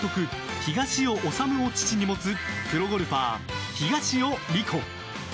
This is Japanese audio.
東尾修を父に持つプロゴルファー、東尾理子。